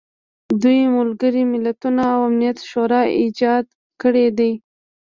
دوی ملګري ملتونه او امنیت شورا ایجاد کړي دي.